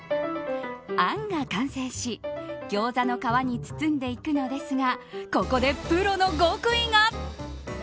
あんが完成し、ギョーザの皮に包んでいくのですがここでプロの極意が。